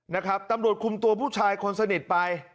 นะครับตำรวจคุมตัวผู้ชายคนสนิทไป